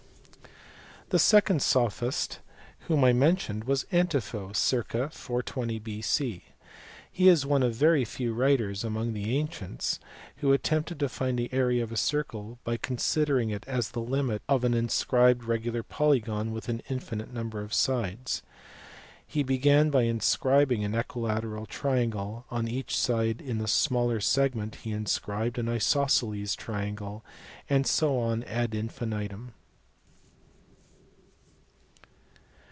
The second sophist whom I mentioned was Antipho (circ. 420 B.C.). He is one of the very few writers among the ancients who attempted to find the area of a circle by considering it as the limit of an inscribed regular polygon with an infinite number of sides. He began by inscribing an equilateral triangle; on each side in the smaller segment he inscribed an isosceles triangle, and so on ad infinitum.